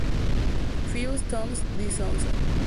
Pius Thomas D´Souza.